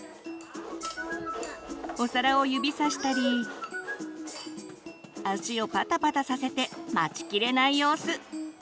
お皿を指さしたり足をパタパタさせて待ちきれない様子！